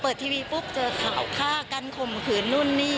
เปิดทีวีปุ๊บเจอข่าวฆ่ากั้นคมคืนนู่นนี่